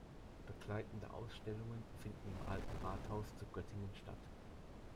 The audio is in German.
Begleitende Ausstellungen finden im Alten Rathaus zu Göttingen statt.